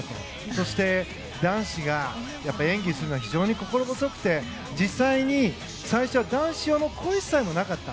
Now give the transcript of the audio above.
そして男子が演技するのに非常に心細くて実際に最初は男子用の更衣室さえなかった。